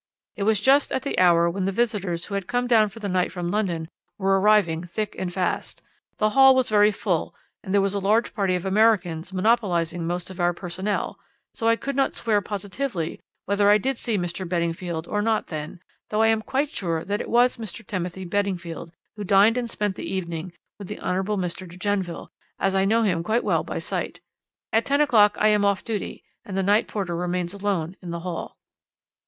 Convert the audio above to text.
It was just at the hour when the visitors who had come down for the night from London were arriving thick and fast; the hall was very full, and there was a large party of Americans monopolising most of our personnel, so I could not swear positively whether I did see Mr. Beddingfield or not then, though I am quite sure that it was Mr. Timothy Beddingfield who dined and spent the evening with the Hon. Mr. de Genneville, as I know him quite well by sight. At ten o'clock I am off duty, and the night porter remains alone in the hall.'